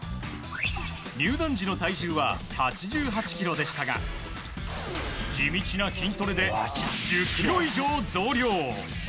入団時の体重は８８ｋｇでしたが地道な筋トレで１０ｋｇ以上増量。